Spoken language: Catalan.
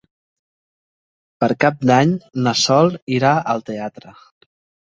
Per Cap d'Any na Sol irà al teatre.